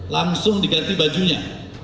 langsung diganti bajunya